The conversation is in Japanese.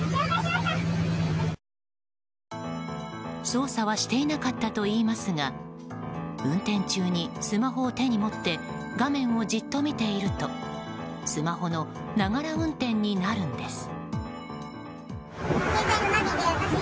操作はしていなかったといいますが運転中にスマホを手に持って画面をじっと見ているとスマホのながら運転になるんです。